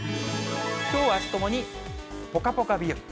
きょう、あすともにぽかぽか日和。